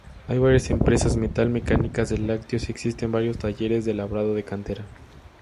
Hay varias empresas metal-mecánicas, de lácteos y existen varios talleres de labrado de cantera.